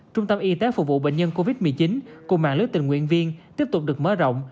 trung tâm y tế phục vụ bệnh nhân covid một mươi chín cùng mạng lưới tình nguyện viên tiếp tục được mở rộng